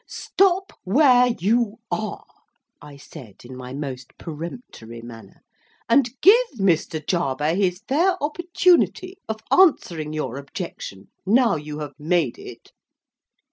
"Stop where you are," I said, in my most peremptory manner, "and give Mr. Jarber his fair opportunity of answering your objection now you have made it."